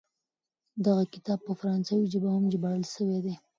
دغه کتاب په فرانسوي ژبه هم ژباړل سوی دی.